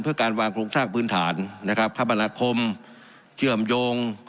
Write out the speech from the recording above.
เพื่อการวางกรุงศาสตร์พื้นฐานนะครับคบรรณาคมเชื่อมโยง